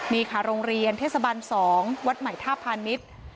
นี่ค่ะโรงเรียนเทศบัน๒วัดใหม่ท่าพาณิชย์